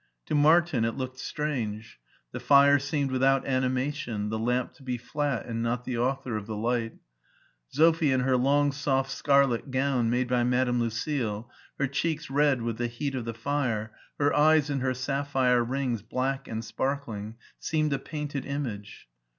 To Martin it looked strange. The fire seemed without animation, the lamp to be flat and not the author of the light Sophie in her long soft scarlet gown made by Madame Lucile, her cheeks red with the heat of the fire, her eyes and her sapphire rings black and sparkling, seemed a painted image.